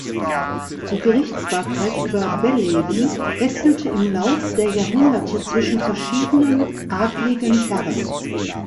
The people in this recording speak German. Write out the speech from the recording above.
Die Gerichtsbarkeit über Belleben wechselte im Lauf der Jahrhunderte zwischen verschiedenen adligen Herren.